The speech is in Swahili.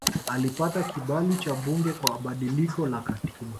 Alipata kibali cha bunge kwa badiliko la katiba